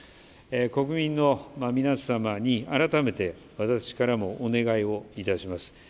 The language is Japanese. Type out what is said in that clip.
国民の皆様に改めて私からもお願いをいたします。